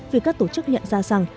vì các tổ chức nhận ra rằng